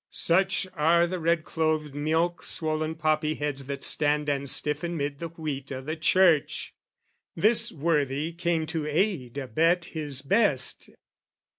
Such are the red clothed milk swollen poppy heads That stand and stiffen 'mid the wheat o' the Church! This worthy came to aid, abet his best.